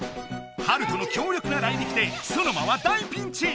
ハルトの強力なライリキでソノマは大ピンチ！